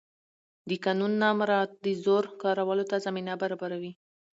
د قانون نه مراعت د زور کارولو ته زمینه برابروي